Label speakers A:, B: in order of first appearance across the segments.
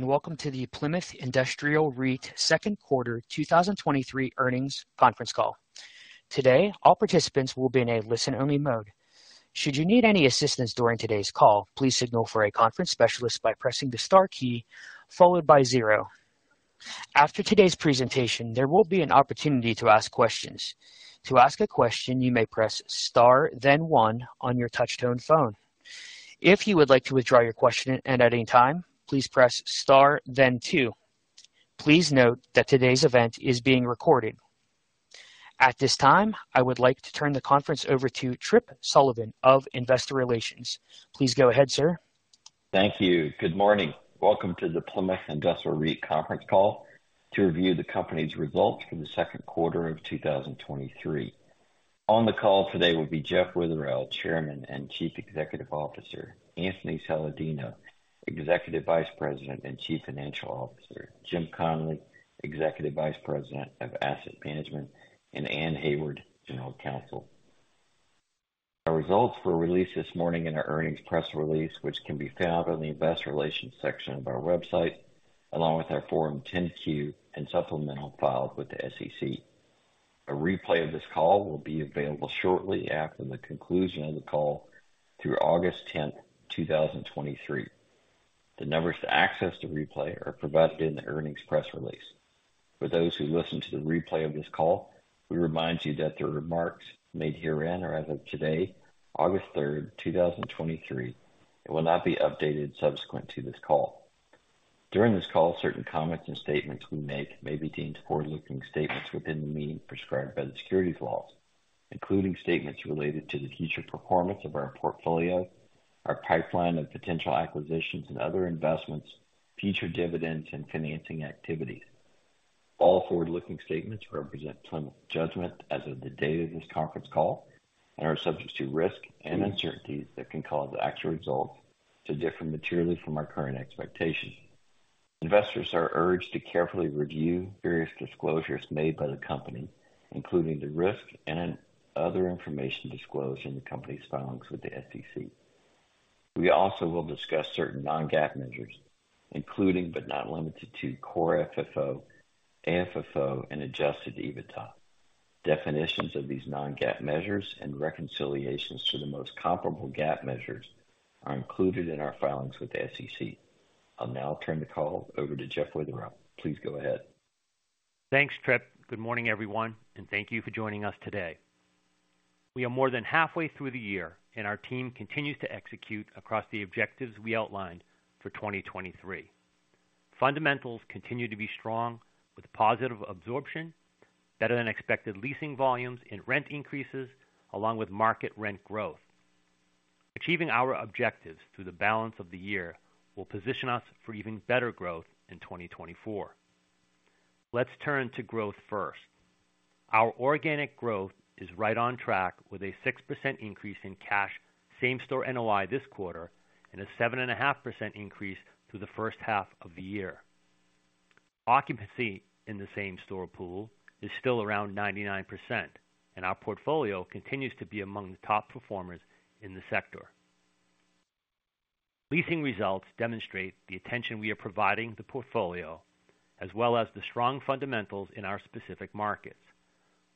A: Welcome to the Plymouth Industrial REIT Second Quarter 2023 Earnings Conference Call. Today, all participants will be in a listen-only mode. Should you need any assistance during today's call, please signal for a conference specialist by pressing the star key followed by zero. After today's presentation, there will be an opportunity to ask questions. To ask a question, you may press star, then one on your touch-tone phone. If you would like to withdraw your question at any time, please press star, then two. Please note that today's event is being recorded. At this time, I would like to turn the conference over to Tripp Sullivan of Investor Relations. Please go ahead, sir.
B: Thank you. Good morning. Welcome to the Plymouth Industrial REIT Conference Call to review the company's results for the second quarter of 2023. On the call today will be Jeff Witherell, Chairman and Chief Executive Officer; Anthony Saladino, Executive Vice President and Chief Financial Officer; Jim Connolly, Executive Vice President of Asset Management; and Anne Hayward, General Counsel. Our results were released this morning in our earnings press release, which can be found on the Investor Relations section of our website, along with our Form 10-Q and supplemental filed with the SEC. A replay of this call will be available shortly after the conclusion of the call through August 10, 2023. The numbers to access the replay are provided in the earnings press release. For those who listen to the replay of this call, we remind you that the remarks made herein are as of today, August 3rd, 2023 will not be updated subsequent to this call. During this call, certain comments and statements we make may be deemed forward-looking statements within the meaning prescribed by the securities laws, including statements related to the future performance of our portfolio, our pipeline of potential acquisitions and other investments, future dividends, and financing activities. All forward-looking statements represent Plymouth's judgment as of the date of this conference call and are subject to risk and uncertainties that can cause the actual results to differ materially from our current expectations. Investors are urged to carefully review various disclosures made by the company including the risks and other information disclosed in the company's filings with the SEC. We also will discuss certain non-GAAP measures, including, but not limited to core FFO, AFFO, and adjusted EBITDA. Definitions of these non-GAAP measures and reconciliations to the most comparable GAAP measures are included in our filings with the SEC. I'll now turn the call over to Jeff Witherell. Please go ahead.
C: Thanks, Tripp. Good morning, everyone and thank you for joining us today. We are more than halfway through the year. Our team continues to execute across the objectives we outlined for 2023. Fundamentals continue to be strong with positive absorption, better than expected leasing volumes and rent increases, along with market rent growth. Achieving our objectives through the balance of the year will position us for even better growth in 2024. Let's turn to growth first. Our organic growth is right on track with a 6% increase in cash same-store NOI this quarter and a 7.5% increase through the first half of the year. Occupancy in the same-store pool is still around 99%. Our portfolio continues to be among the top performers in the sector. Leasing results demonstrate the attention we are providing the portfolio, as well as the strong fundamentals in our specific markets.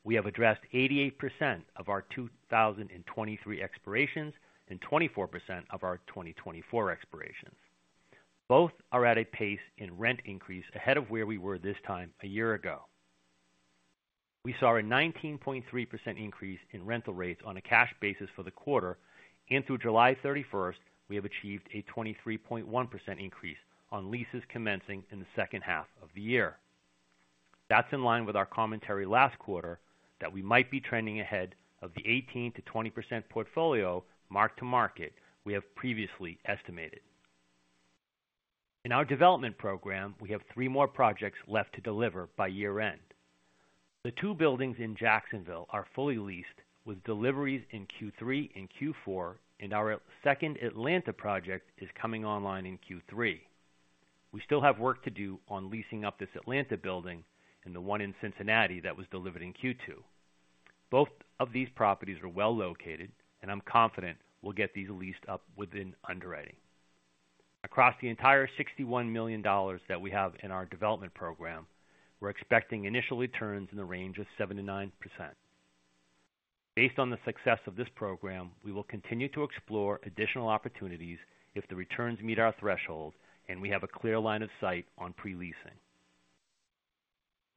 C: We have addressed 88% of our 2023 expirations and 24% of our 2024 expirations. Both are at a pace and rent increase ahead of where we were this time a year ago. We saw a 19.3% increase in rental rates on a cash basis for the quarter, and through July 31st, we have achieved a 23.1% increase on leases commencing in the second half of the year. That's in line with our commentary last quarter that we might be trending ahead of the 18% to 20% portfolio mark-to-market we have previously estimated. In our development program, we have three more projects left to deliver by year-end. The two buildings in Jacksonville are fully leased, with deliveries in Q3 and Q4, and our second Atlanta project is coming online in Q3. We still have work to do on leasing up this Atlanta building and the one in Cincinnati that was delivered in Q2. Both of these properties are well located, and I'm confident we'll get these leased up within underwriting. Across the entire $61 million that we have in our development program, we're expecting initial returns in the range of 7% to 9%. Based on the success of this program, we will continue to explore additional opportunities if the returns meet our threshold and we have a clear line of sight on pre-leasing.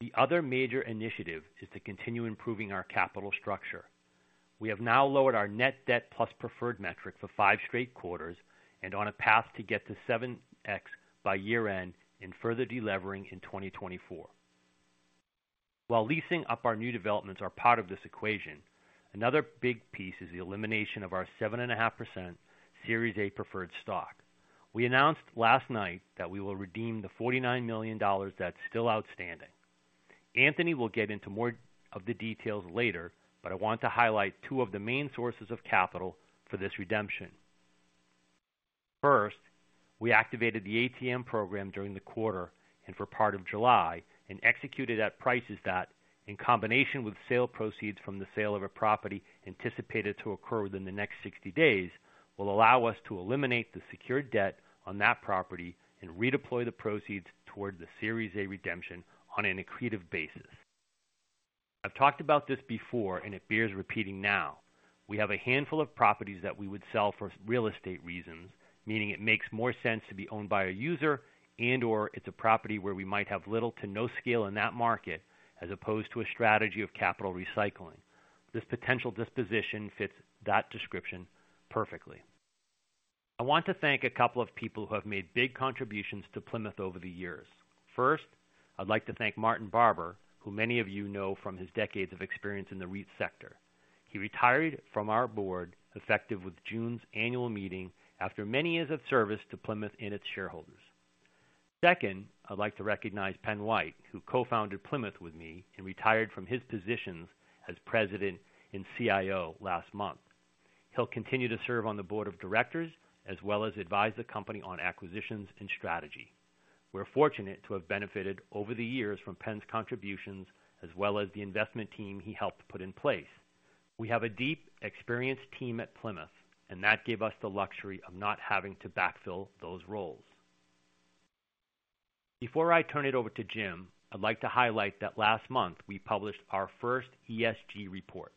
C: The other major initiative is to continue improving our capital structure. We have now lowered our net debt plus preferred metric for five straight quarters and on a path to get to 7x by year-end and further delevering in 2024. While leasing up our new developments are part of this equation, another big piece is the elimination of our 7.5% Series A Preferred Stock. We announced last night that we will redeem the $49 million that's still outstanding. Anthony will get into more of the details later, but I want to highlight two of the main sources of capital for this redemption. First, we activated the ATM program during the quarter and for part of July and executed at prices that, in combination with sale proceeds from the sale of a property anticipated to occur within the next 60 days will allow us to eliminate the secured debt on that property and redeploy the proceeds towards the Series A redemption on an accretive basis. I've talked about this before and it bears repeating now. We have a handful of properties that we would sell for real estate reasons, meaning it makes more sense to be owned by a user and/or it's a property where we might have little to no scale in that market, as opposed to a strategy of capital recycling. This potential disposition fits that description perfectly. I want to thank a couple of people who have made big contributions to Plymouth over the years. First, I'd like to thank Martin Barber, who many of you know from his decades of experience in the REIT sector. He retired from our board effective with June's Annual Meeting, after many years of service to Plymouth and its shareholders. Second, I'd like to recognize Penn White, who co-founded Plymouth with me and retired from his positions as President and CIO last month. He'll continue to serve on the Board of Directors, as well as advise the company on acquisitions and strategy. We're fortunate to have benefited over the years from Penn's contributions as well as the investment team he helped put in place. We have a deep, experienced team at Plymouth, and that gave us the luxury of not having to backfill those roles. Before I turn it over to Jim, I'd like to highlight that last month we published our first ESG report.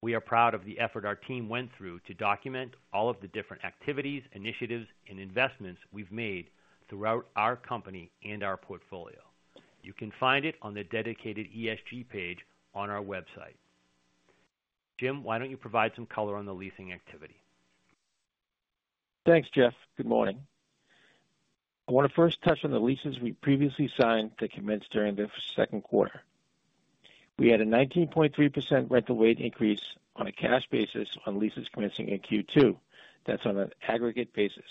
C: We are proud of the effort our team went through to document all of the different activities, initiatives, and investments we've made throughout our company and our portfolio. You can find it on the dedicated ESG page on our website. Jim, why don't you provide some color on the leasing activity?
D: Thanks, Jeff. Good morning. I want to first touch on the leases we previously signed that commenced during the second quarter. We had a 19.3% rental rate increase on a cash basis on leases commencing in Q2. That's on an aggregate basis.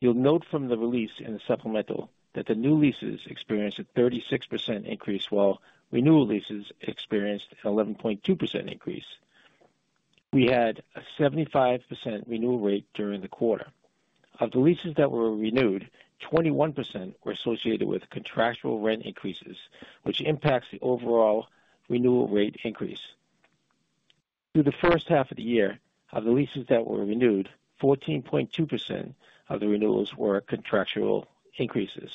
D: You'll note from the release in the supplemental that the new leases experienced a 36% increase, while renewal leases experienced an 11.2% increase. We had a 75% renewal rate during the quarter. Of the leases that were renewed, 21% were associated with contractual rent increases, which impacts the overall renewal rate increase. Through the first half of the year, of the leases that were renewed, 14.2% of the renewals were contractual increases,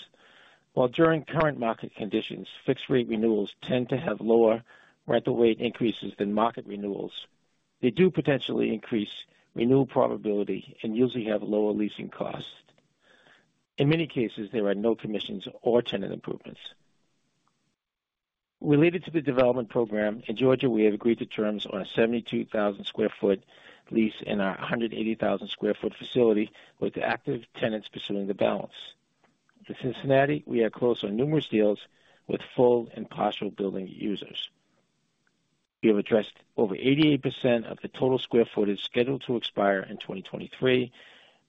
D: while during current market conditions, fixed-rate renewals tend to have lower rental rate increases than market renewals. They do potentially increase renewal probability and usually have lower leasing costs. In many cases, there are no commissions or tenant improvements. Related to the development program, in Georgia, we have agreed to terms on a 72,000 sq ft lease in our 180,000 sq ft facility with active tenants pursuing the balance. In Cincinnati, we are close on numerous deals with full and partial building users. We have addressed over 88% of the total square footage scheduled to expire in 2023.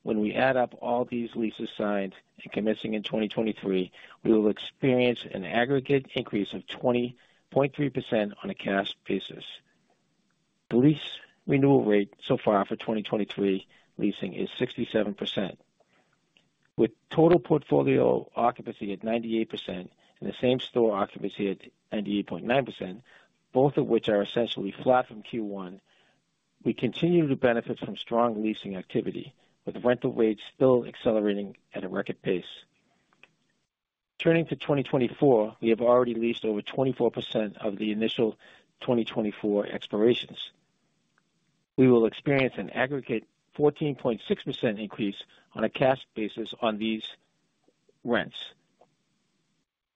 D: When we add up all these leases signed and commencing in 2023, we will experience an aggregate increase of 20.3% on a cash basis. The lease renewal rate so far for 2023 leasing is 67%. With total portfolio occupancy at 98% and the same store occupancy at 98.9%, both of which are essentially flat from Q1, we continue to benefit from strong leasing activity with rental rates still accelerating at a record pace. Turning to 2024, we have already leased over 24% of the initial 2024 expirations. We will experience an aggregate 14.6% increase on a cash basis on these rents,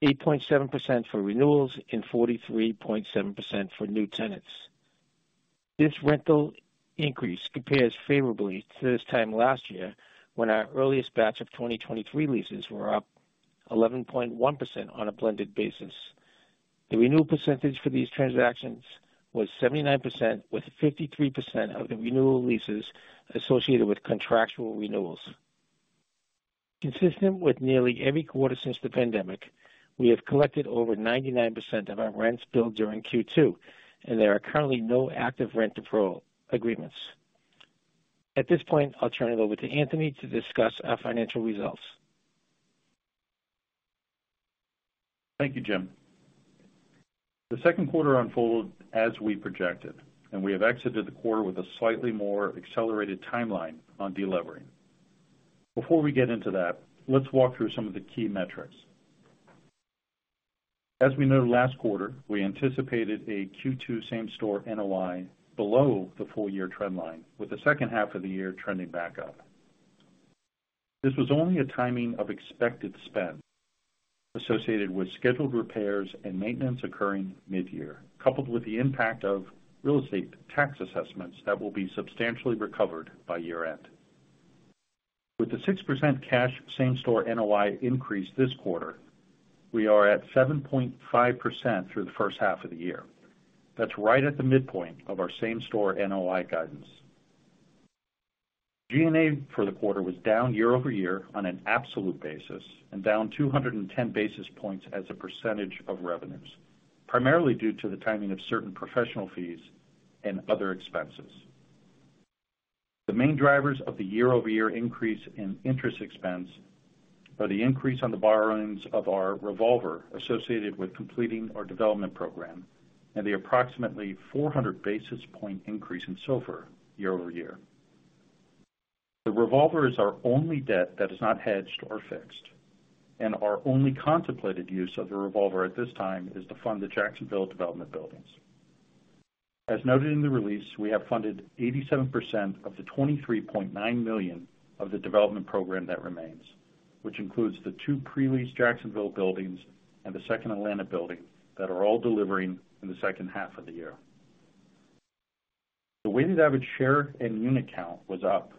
D: 8.7% for renewals and 43.7% for new tenants. This rental increase compares favorably to this time last year, when our earliest batch of 2023 leases were up 11.1% on a blended basis. The renewal percentage for these transactions was 79%, with 53% of the renewal leases associated with contractual renewals. Consistent with nearly every quarter since the pandemic, we have collected over 99% of our rents billed during Q2, and there are currently no active rent deferral agreements. At this point, I'll turn it over to Anthony to discuss our financial results.
E: Thank you, Jim. The second quarter unfolded as we projected and we have exited the quarter with a slightly more accelerated timeline on delevering. Before we get into that, let's walk through some of the key metrics. As we noted last quarter, we anticipated a Q2 Same Store NOI below the full-year trend line, with the second half of the year trending back up. This was only a timing of expected spend associated with scheduled repairs and maintenance occurring mid-year, coupled with the impact of real estate tax assessments that will be substantially recovered by year-end. With the 6% cash same-store NOI increase this quarter, we are at 7.5% through the first half of the year. That's right at the midpoint of our same-store NOI guidance. G&A for the quarter was down year-over-year on an absolute basis and down 210 basis points as a percentage of revenues, primarily due to the timing of certain professional fees and other expenses. The main drivers of the year-over-year increase in interest expense are the increase on the borrowings of our revolver associated with completing our development program and the approximately 400 basis point increase in SOFR year-over-year. The revolver is our only debt that is not hedged or fixed, and our only contemplated use of the revolver at this time is to fund the Jacksonville development buildings. As noted in the release, we have funded 87% of the $23.9 million of the development program that remains, which includes the two pre-leased Jacksonville buildings and the second Atlanta building that are all delivering in the second half of the year. The weighted average share and unit count was up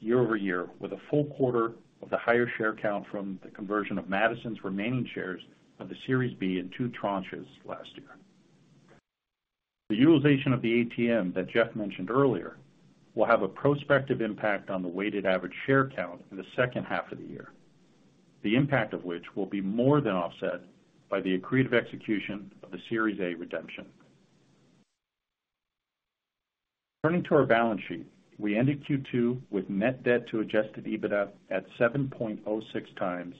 E: year-over-year, with a full quarter of the higher share count from the conversion of Madison's remaining shares of the Series B in two tranches last year. The utilization of the ATM that Jeff mentioned earlier will have a prospective impact on the weighted average share count in the second half of the year. The impact of which will be more than offset by the accretive execution of the Series A redemption. Turning to our balance sheet, we ended Q2 with net debt to adjusted EBITDA at 7.06x,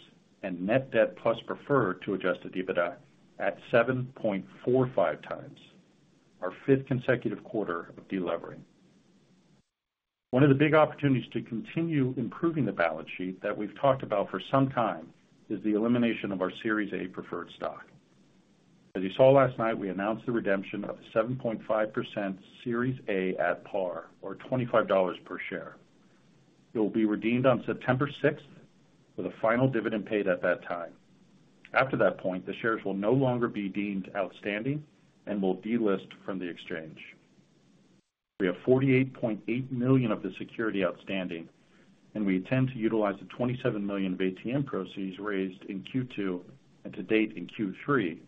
E: and net debt plus preferred to adjusted EBITDA at 7.45x, our fifth consecutive quarter of delevering. One of the big opportunities to continue improving the balance sheet that we've talked about for some time is the elimination of our Series A Preferred Stock. As you saw last night, we announced the redemption of the 7.5% Series A at par, or $25.00 per share. It will be redeemed on September 6th, with a final dividend paid at that time. After that point, the shares will no longer be deemed outstanding and will delist from the exchange. We have $48.8 million of the security outstanding, and we intend to utilize the $27 million of ATM proceeds raised in Q2 and to date in Q3,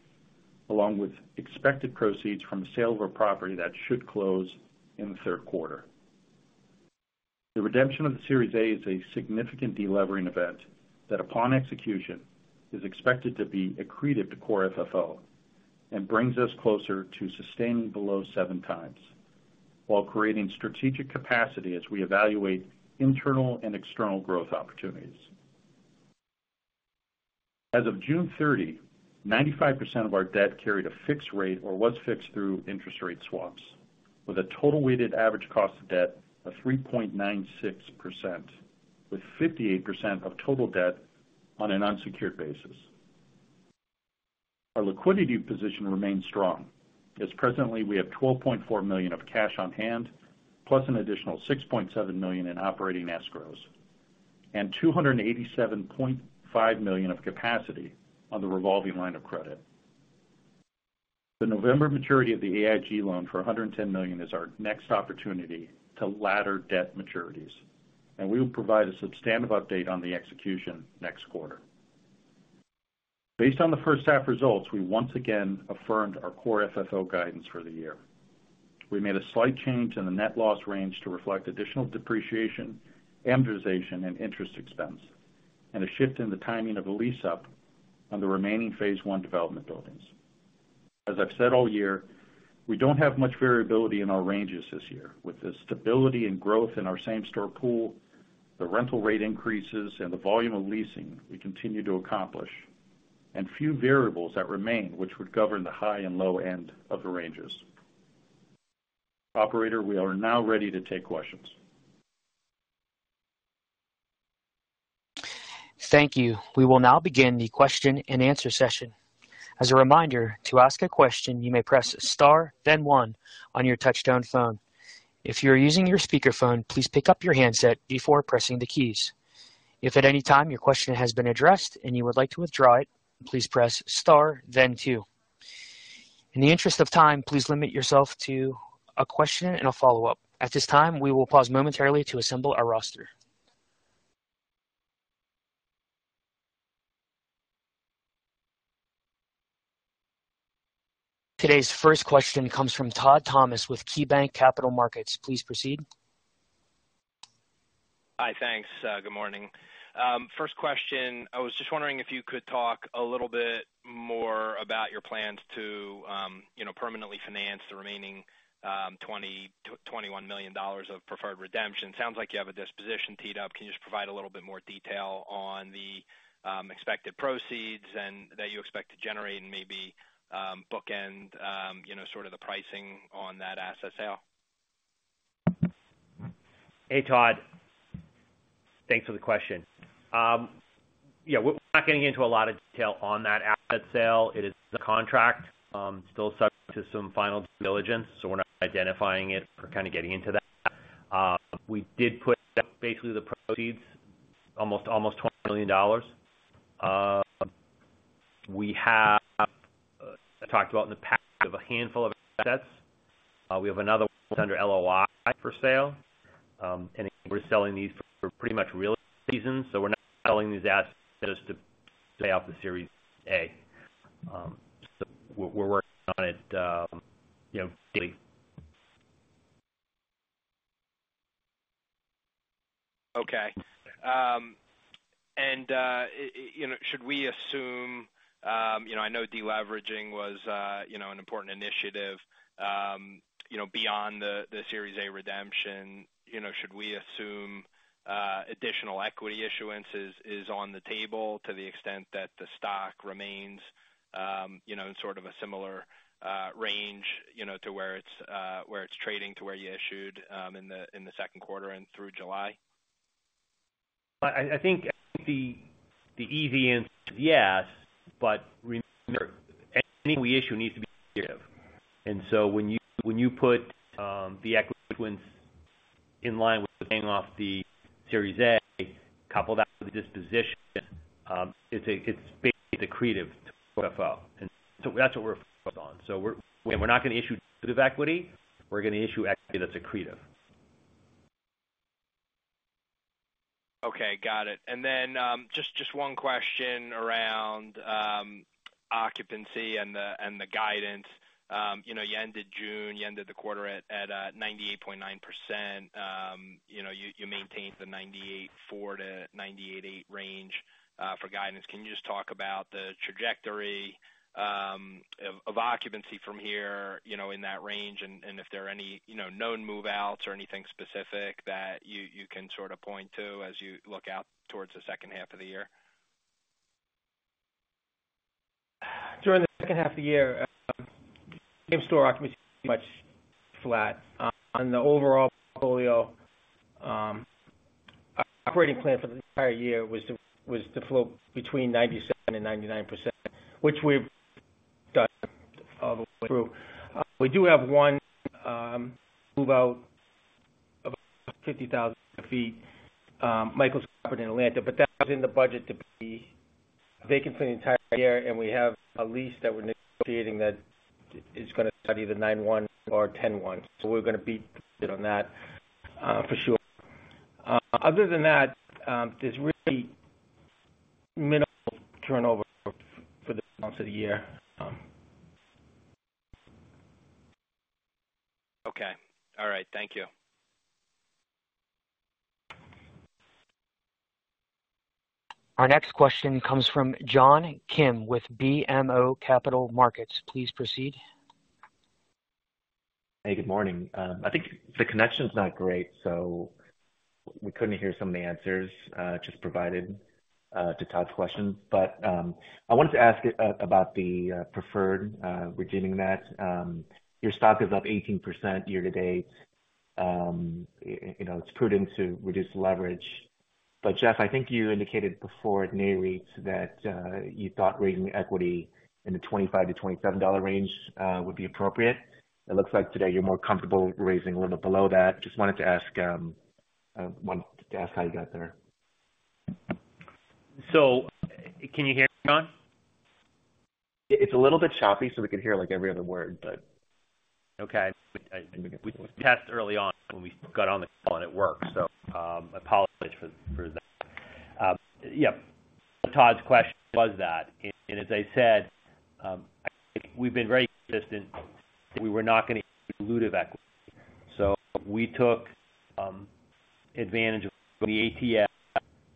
E: along with expected proceeds from the sale of our property that should close in the third quarter. The redemption of the Series A is a significant delevering event that, upon execution, is expected to be accretive to core FFO and brings us closer to sustaining below 7x, while creating strategic capacity as we evaluate internal and external growth opportunities. As of June 30, 95% of our debt carried a fixed rate or was fixed through interest rate swaps, with a total weighted average cost of debt of 3.96% with 58% of total debt on an unsecured basis. Our liquidity position remains strong, as presently we have $12.4 million of cash on hand, plus an additional $6.7 million in operating escrows, and $287.5 million of capacity on the revolving line of credit. The November maturity of the AIG loan for $110 million is our next opportunity to ladder debt maturities and we will provide a substantive update on the execution next quarter. Based on the first half results, we once again affirmed our core FFO guidance for the year. We made a slight change in the net loss range to reflect additional depreciation, amortization, and interest expense, and a shift in the timing of a lease-up on the remaining phase I development buildings. As I've said all year, we don't have much variability in our ranges this year. With the stability and growth in our same-store pool, the rental rate increases and the volume of leasing we continue to accomplish, and few variables that remain, which would govern the high and low end of the ranges. Operator, we are now ready to take questions.
A: Thank you. We will now begin the question-and-answer session. As a reminder, to ask a question, you may press star, then one on your touch-tone phone. If you're using your speakerphone, please pick up your handset before pressing the keys. If at any time your question has been addressed and you would like to withdraw it, please press star, then two. In the interest of time, please limit yourself to a question and a follow-up. At this time, we will pause momentarily to assemble our roster. Today's first question comes from Todd Thomas with KeyBanc Capital Markets. Please proceed.
F: Hi, thanks. Good morning. First question, I was just wondering if you could talk a little bit more about your plans to, you know, permanently finance the remaining $20 million to $21 million of preferred redemption. It sounds like you have a disposition teed up. Can you just provide a little bit more detail on the expected proceeds that you expect to generate and maybe bookend, you know, sort of the pricing on that asset sale?
C: Hey, Todd. Thanks for the question. Yeah, we're not getting into a lot of detail on that asset sale. It is the contract, still subject to some final due diligence, so we're not identifying it or kind of getting into that. We did put basically the proceeds almost $20 million. We have talked about in the past, we have a handful of assets. We have another one under LOI for sale, and we're selling these for pretty much real reasons. We're not selling these assets to pay off the Series A. We're working on it, you know, daily.
F: Okay. You know, should we assume, you know, I know deleveraging was, you know, an important initiative, you know, beyond the Series A redemption, you know, should we assume additional equity issuance is on the table to the extent that the stock remains, you know, in sort of a similar range, you know, to where it's where it's trading to where you issued in the second quarter and through July?
C: Well, I think the, the easy answer is yes, but remember, any issue needs to be creative. When you, when you put the equity once in line with paying off the Series A, couple that with disposition, it's a, it's basically accretive FFO. That's what we're focused on. We're not going to issue bit of equity. We're going to issue equity that's accretive.
F: Okay, got it. Just one question around occupancy and the guidance. You know, you ended June, you ended the quarter at 98.9%. You know, you maintained the 98.4% to 98.8% range for guidance. Can you just talk about the trajectory of occupancy from here, you know, in that range, and if there are any, you know, known move-outs or anything specific that you, you can sort of point to as you look out towards the second half of the year?
E: During the second half of the year, same store occupancy pretty much flat. On the overall portfolio, operating plan for the entire year was to flow between 97% and 99%, which we've got all the way through. We do have one move out of about 50,000 sq ft, Michaels Corporate in Atlanta. That was in the budget to be vacant for the entire year. We have a lease that we're negotiating that is going to study the 9/1 or 10/1. We're going to be on that for sure. Other than that, there's really minimal turnover for the rest of the year.
F: Okay. All right. Thank you.
A: Our next question comes from John Kim with BMO Capital Markets. Please proceed.
G: Hey, good morning. I think the connection's not great, so we couldn't hear some of the answers just provided to Todd's question. I wanted to ask about the preferred redeeming that. Your stock is up 18% year-to-date. You know, it's prudent to reduce leverage. Jeff, I think you indicated before at NAREIT that you thought raising equity in the $25 to $27 range would be appropriate. It looks like today you're more comfortable raising a little bit below that. Just wanted to ask, I wanted to ask how you got there.
C: Can you hear me, John?
G: It's a little bit choppy, so we could hear, like, every other word.
C: Okay. We tested early on when we got on the call, and it worked. Apologies for that. Yeah, Todd's question was that, and as I said, we've been very consistent. We were not going to dilutive equity, so we took advantage of the ATM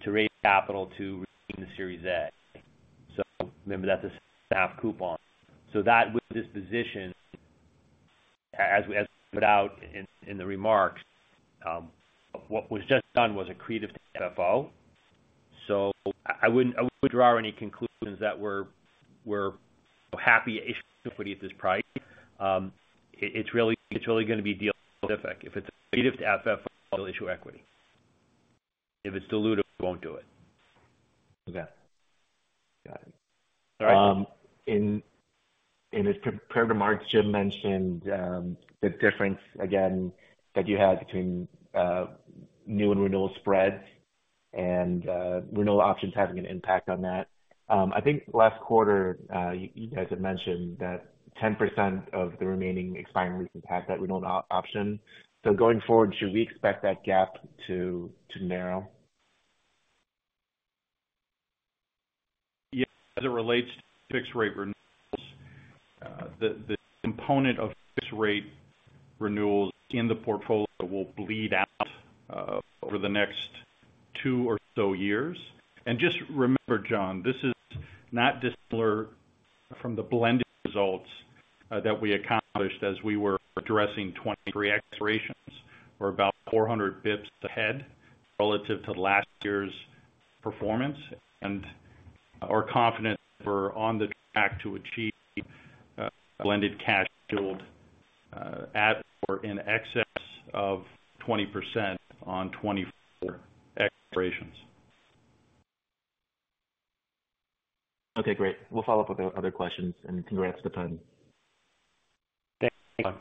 C: to raise capital to the Series A. Remember, that's a half coupon. That with this position, as we, as put out in the remarks, what was just done was accretive FFO. So I wouldn't, I wouldn't draw any conclusions that we're happy to issue equity at this price. It's really going to be deal specific. If it's accretive to FFO, we'll issue equity. If it's dilutive, we won't do it.
G: Okay. Got it.
C: All right.
G: In his prepared remarks, Jim mentioned the difference again that you had between new and renewal spreads and renewal options having an impact on that. I think last quarter, you guys had mentioned that 10% of the remaining expiring leases had that renewal option so going forward, should we expect that gap to narrow?
D: Yes, as it relates to fixed rate renewals, the component of fixed rate renewals in the portfolio will bleed out over the next two or so years. Just remember, John, this is not dissimilar from the blended results that we accomplished as we were addressing 2023 expirations. We're about 400 basis points ahead relative to last year's performance, and are confident we're on the track to achieve blended cash yield at or in excess of 20% on 2024 expirations.
G: Okay, great. We'll follow up with other questions. Congrats on the penny.
D: Thanks.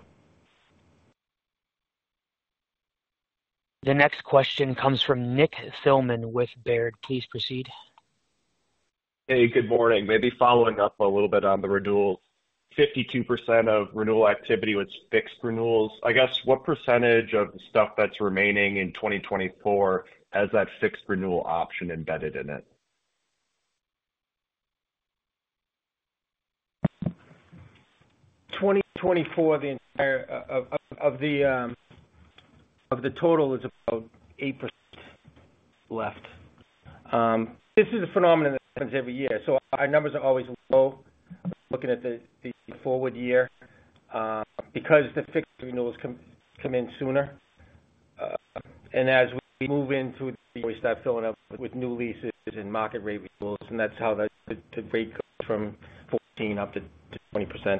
C: The next question comes from Nick Thillman with Baird. Please proceed.
H: Hey, good morning. Maybe following up a little bit on the renewals. 52% of renewal activity was fixed-rate renewals. What percentage of the stuff that's remaining in 2024 has that fixed-rate renewal option embedded in it?
C: 2024, the entire, of the total is about 8% left. This is a phenomenon that happens every year, so our numbers are always low. Looking at the, the forward year, because the fixed renewals come in sooner. As we move into, we start filling up with new leases and market rate renewals, and that's how that to break from 14% up to 20%.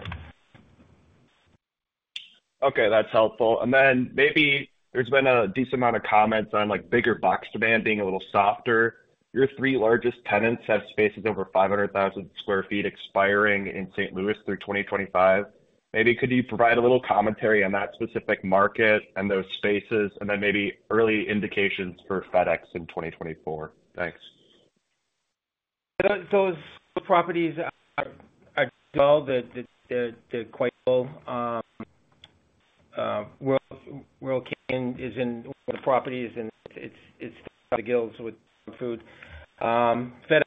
H: Okay, that's helpful. Maybe there's been a decent amount of comments on, like, bigger box demand being a little softer. Your three largest tenants have spaces over 500,000 sq ft expiring in St. Louis through 2025. Maybe could you provide a little commentary on that specific market and those spaces, and then maybe early indications for FedEx in 2024? Thanks.
C: Those properties are, well, they're quite well. World Canyon is in one of the properties, and it's the guilds with food. FedEx,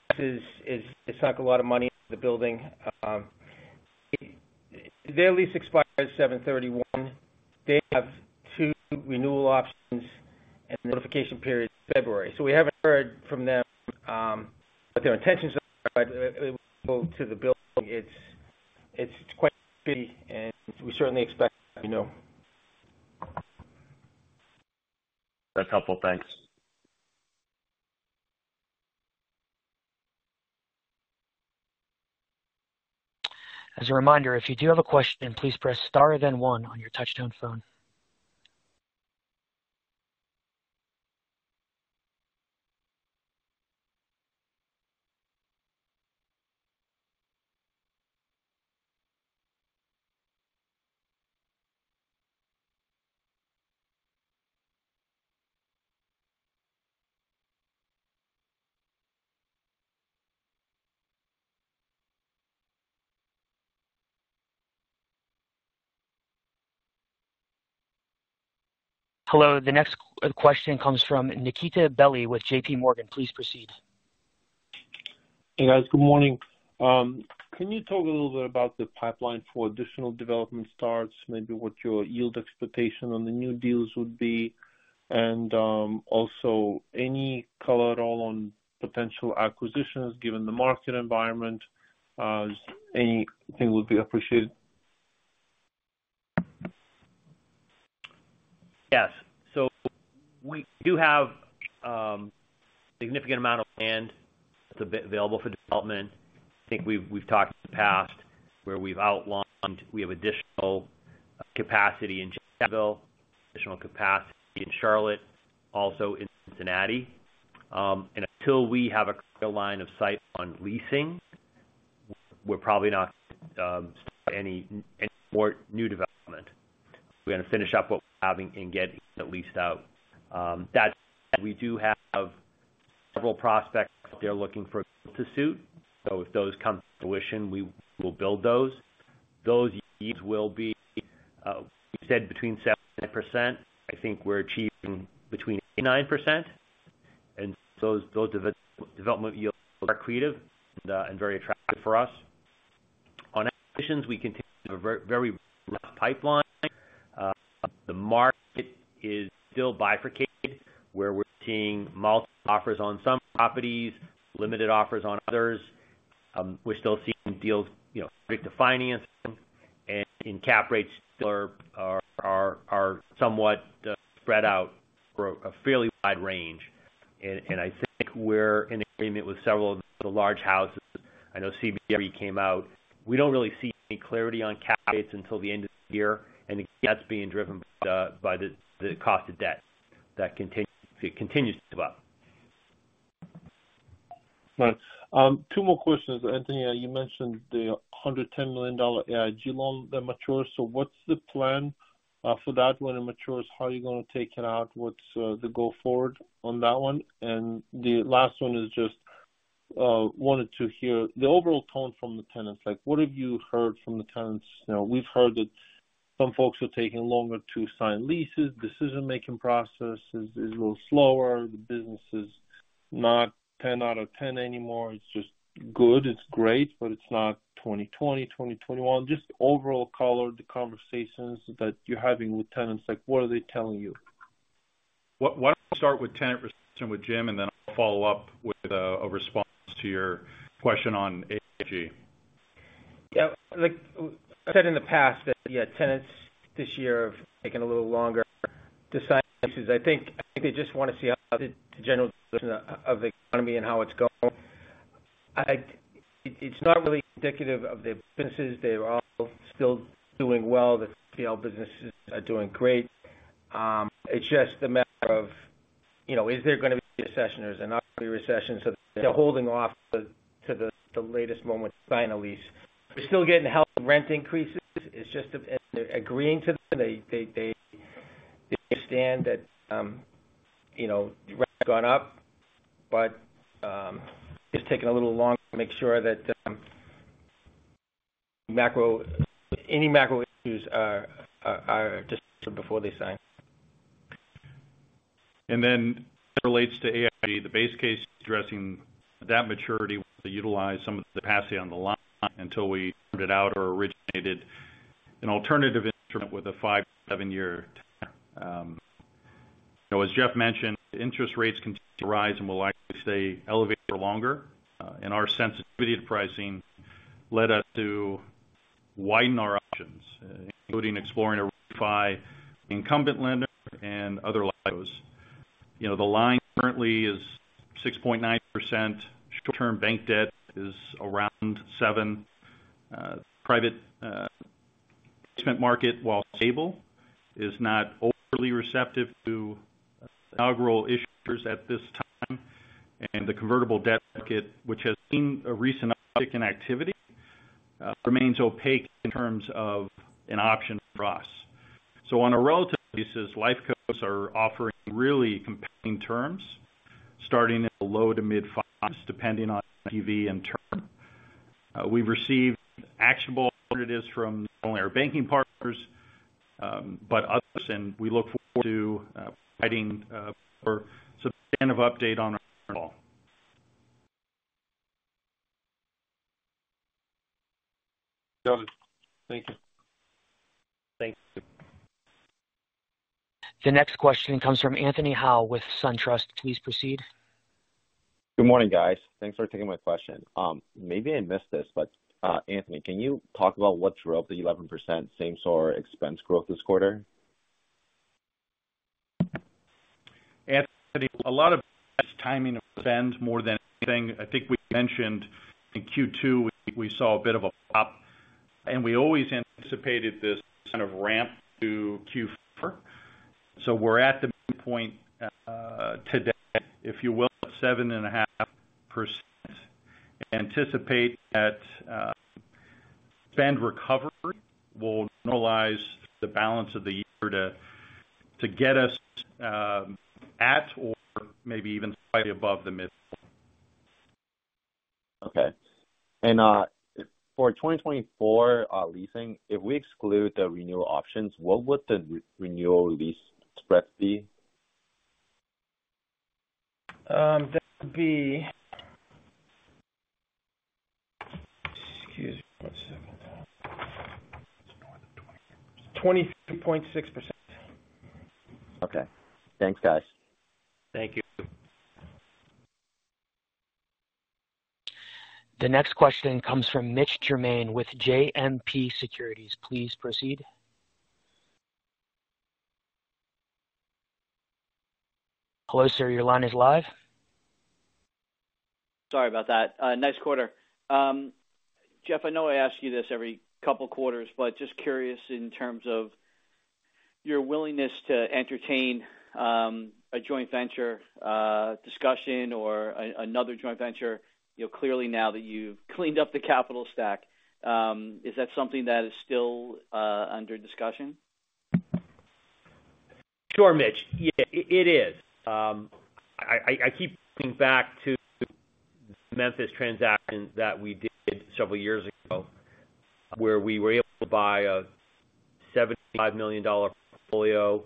C: it's not a lot of money in the building. Their lease expires July thirty-first. They have two renewal options and notification period is February, so we haven't heard from them what their intentions are, but to the building, it's quite big, and we certainly expect to know.
H: That's helpful. Thanks.
A: As a reminder, if you do have a question, please press star, then one on your touch-tone phone. Hello, the next question comes from Nikita Bely with JPMorgan. Please proceed.
I: Hey, guys, good morning. Can you talk a little bit about the pipeline for additional development starts, maybe what your yield expectation on the new deals would be? Also any color on potential acquisitions, given the market environment, anything would be appreciated.
C: Yes. We do have significant amount of land available for development. I think we've talked in the past where we've out longed, we have additional capacity in Jacksonville, additional capacity in Charlotte, also in Cincinnati. Until we have a clear line of sight on leasing, we're probably not any more new development. We're going to finish up what we're having and get at least out. That we do have several prospects out there looking for to suit. If those come to fruition, we will build those. Those yields will be said between 7%. I think we're achieving between 8% and 9%, and those development yields are accretive and very attractive for us. On acquisitions, we continue to have a very, very rough pipeline. The market is still bifurcated, where we're seeing multiple offers on some properties, limited offers on others. We're still seeing deals, you know, to financing and in cap rates still are somewhat spread out for a fairly wide range. I think we're in agreement with several of the large houses. I know CBRE came out. We don't really see any clarity on cap rates until the end of the year, and that's being driven by the cost of debt that continues to go up.
I: Right. two more questions, Anthony. You mentioned the $110 million AIG loan that matures. What's the plan for that when it matures? How are you going to take it out? What's the go forward on that one? The last one is just wanted to hear the overall tone from the tenants. Like, what have you heard from the tenants? Now, we've heard that some folks are taking longer to sign leases. Decision-making process is a little slower. The business is not 10 out of 10 anymore. It's just good. It's great, but it's not 2020, 2021. Just the overall color of the conversations that you're having with tenants, like, what are they telling you?
C: Why don't we start with tenant reception with Jim, and then I'll follow up with a response to your question on AIG.
D: Yeah. Like I said in the past, that, yeah, tenants this year have taken a little longer to sign leases. I think they just want to see how the general direction of the economy and how it's going. It's not really indicative of their businesses. They're all still doing well. The CL businesses are doing great. It's just a matter of, you know, is there going to be a recession or is there not going to be a recession? They're holding off to the latest moment to sign a lease. We're still getting help with rent increases. It's just agreeing to them. They understand that, you know, rent's gone up, but, it's taking a little longer to make sure that any macro issues are just before they sign. Relates to AIG, the base case, addressing that maturity, to utilize some of the capacity on the line until we turned it out or originated an alternative instrument with a five year to seven year term. As Jeff mentioned, interest rates continue to rise and will likely stay elevated for longer. Our sensitivity to pricing led us to widen our options, including exploring a incumbent lender and other lenders. You know, the line currently is 6.9%. Short-term bank debt is around 7%. Private placement market, while stable, is not overly receptive to inaugural issuers at this time. The convertible debt market, which has seen a recent uptick in activity, remains opaque in terms of an option for us. On a relative basis, Life Cos are offering really compelling terms starting in the low to mid 5s, depending on PV and term. We've received actionable offers from not only our banking partners, but others, and we look forward to providing for some kind of update on our call.
I: Got it. Thank you.
D: Thanks.
A: The next question comes from Anthony Hau with Truist. Please proceed.
J: Good morning, guys. Thanks for taking my question. Maybe I missed this, but Anthony, can you talk about what drove the 11% same-store expense growth this quarter?
E: Anthony, a lot of timing of spend more than anything. I think we mentioned in Q2, we saw a bit of a pop. We always anticipated this kind of ramp to Q4. We're at the midpoint today, if you will, at 7.5%. Anticipate that spend recovery will normalize the balance of the year to get us at or maybe even slightly above the mid.
J: Okay. For 2024 leasing, if we exclude the renewal options, what would the renewal lease spread be?
E: That would be 22.6%.
J: Okay. Thanks, guys.
E: Thank you.
A: The next question comes from Mitch Germain with JMP Securities. Please proceed. Closer, your line is live.
K: Sorry about that. Nice quarter. Jeff, I know I ask you this every couple of quarters, but just curious in terms of your willingness to entertain a joint venture discussion or another joint venture. You know, clearly now that you've cleaned up the capital stack, is that something that is still under discussion?
C: Sure, Mitch. Yeah, it, it is. I keep going back to the Memphis transaction that we did several years ago, where we were able to buy a $75 million portfolio,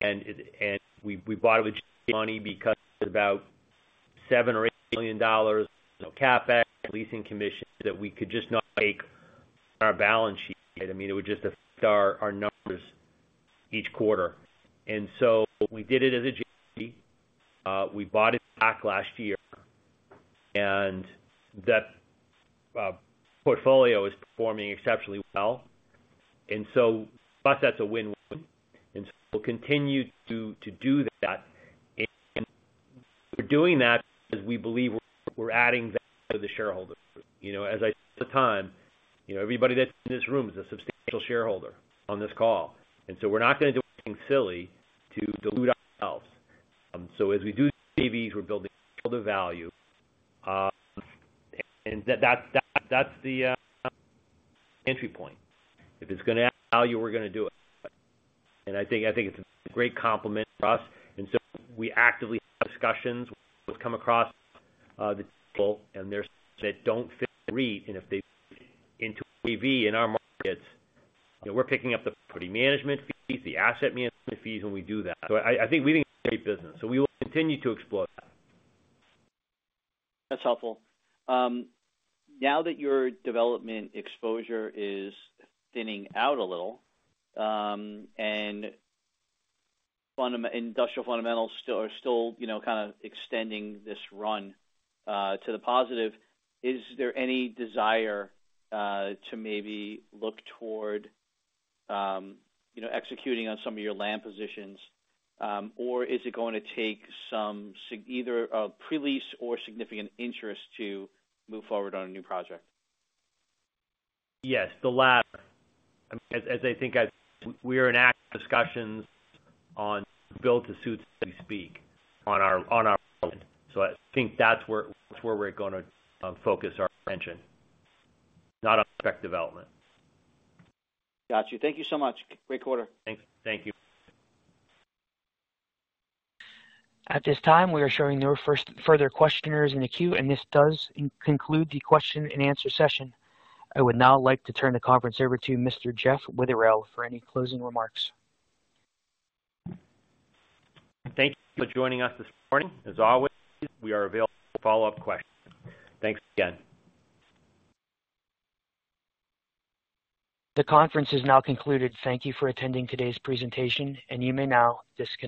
C: and it, and we, we bought it with money because it was about $7 million or $8 million, you know, CapEx, leasing commissions, that we could just not make our balance sheet. I mean, it would just affect our numbers each quarter. So we did it as a JP, we bought it back last year and that portfolio is performing exceptionally well. So for us, that's a win-win, and so we'll continue to, to do that. We're doing that because we believe we're adding value to the shareholder. You know, as I said, the time, you know, everybody that's in this room is a substantial shareholder on this call, and so we're not going to do anything silly to dilute ourselves. As we do TVs, we're building shareholder value, and that's the entry point. If it's going to add value, we're going to do it. I think it's a great complement for us, and so we actively have discussions come across the table, and there's that don't fit the REIT. If they fit into TV in our markets, you know, we're picking up the property management fees, the asset management fees when we do that. I think we did great business, so we will continue to explore that.
K: That's helpful. Now that your development exposure is thinning out a little, and industrial fundamentals still, are still, you know, kind of extending this run to the positive, is there any desire to maybe look toward, you know, executing on some of your land positions or is it going to take some either a pre-lease or significant interest to move forward on a new project?
C: Yes, the latter. As I think, as we are in active discussions on build to suits as we speak on that. I think that's where we're going to focus our attention, not on spec development.
K: Got you. Thank you so much. Great quarter.
C: Thanks. Thank you.
A: At this time, we are showing no further questioners in the queue, this does conclude the question and answer session. I would now like to turn the conference over to Mr. Jeff Witherell for any closing remarks.
C: Thank you for joining us this morning. As always, we are available for follow-up questions. Thanks again.
A: The conference is now concluded. Thank you for attending today's presentation. You may now disconnect.